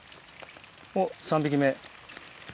おっ３匹目。